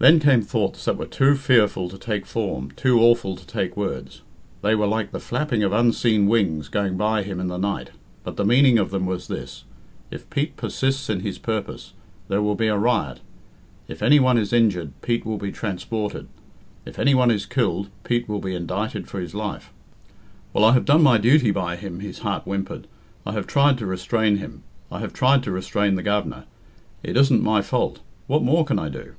Then came thoughts that were too fearful to take form too awful to take words. They were like the flapping of unseen wings going by him in the night, but the meaning of them was this: If Pete persists in his purpose, there will be a riot. If any one is injured, Pete will be transported. If any one is killed, Pete will be indicted for his life. "Well, I have done my duty by him," his heart whimpered. "I have tried to restrain him. I have tried to restrain the Governor. It isn't my fault. What more can I do?"